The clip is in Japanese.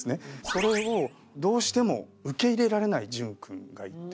それをどうしても受け入れられない純君がいて。